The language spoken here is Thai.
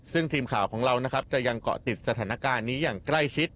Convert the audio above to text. ซึ่งทีมข่าวของเรานะครับจะยังเกาะติดสถานการณ์นี้อย่างใกล้ชิด